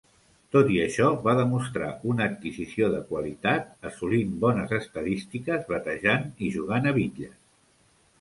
Tot i això, va demostrar una adquisició de qualitat, assolint bones estadístiques batejant i jugant a bitlles.